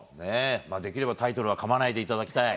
できればタイトルはかまないでいただきたい。